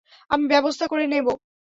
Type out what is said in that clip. আমি ব্যবস্থা করে নেব।